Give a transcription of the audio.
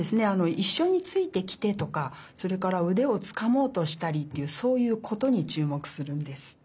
「いっしょについてきて」とかそれからうでをつかもうとしたりっていうそういう「こと」にちゅうもくするんです。